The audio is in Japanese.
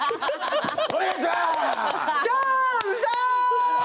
お願いします！